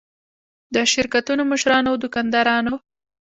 د شرکتونو مشرانو او دوکاندارانو.